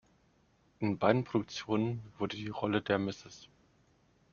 In beiden Produktionen wurde die Rolle der Mrs.